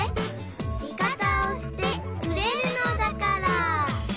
「味方をしてくれるのだから」